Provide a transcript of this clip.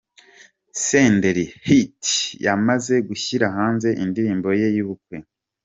Senderi Hit yamaze gushyira hanze indirimbo ye y'ubukwe.